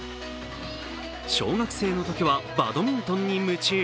小学生のときはバドミントンに夢中。